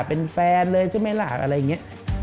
เป็นแฟนเลยใช่ไหมล่ะอะไรอย่างนี้